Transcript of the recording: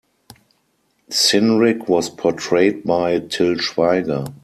Cynric was portrayed by Til Schweiger.